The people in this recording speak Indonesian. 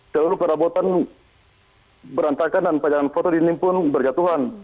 celuruh kerabatan berantakan dan panjangan foto di dinding pun berjatuhan